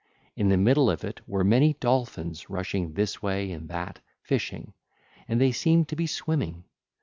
In the middle of it were many dolphins rushing this way and that, fishing: and they seemed to be swimming.